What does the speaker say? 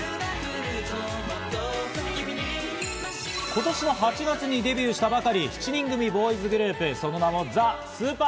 今年の８月にデビューしたばかり、７人組ボーイズグループ、その名もＴＨＥＳＵＰＥＲＦＲＵＩＴ。